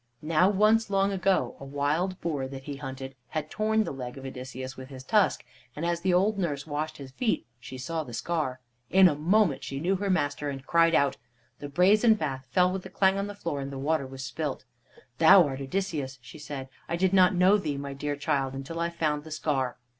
Now, once long ago, a wild boar that he hunted had torn the leg of Odysseus with his tusk, and as the old nurse washed his feet she saw the scar. In a moment she knew her master, and cried out. The brazen bath fell with a clang on the floor, and the water was spilt. "Thou art Odysseus," she said; "I did not know thee, my dear child, until I found the scar."